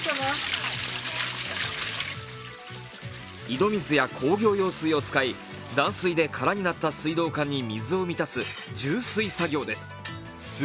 井戸水や工業用水を使い断水で空になった水道管に水を満たす充水作業です。